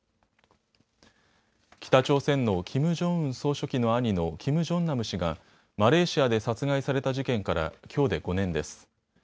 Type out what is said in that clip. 北朝鮮のキム・ジョンウン総書記の兄のキム・ジョンナム氏がマレーシアで殺害された事件からきょうで５年です。